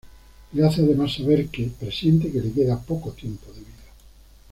Le hace, además saber, que presiente que le queda poco tiempo de vida.